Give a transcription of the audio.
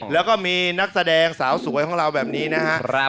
แล้วก็มีนักแสดงสาวสวยของเราแบบนี้นะครับ